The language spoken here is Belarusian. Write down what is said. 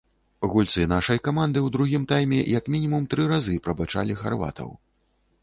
Гульцы нашай каманды ў другім тайме як мінімум тры разы прабачалі харватаў.